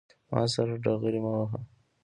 ما سره ډغرې مه وهه